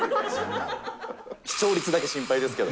視聴率だけ心配ですけど。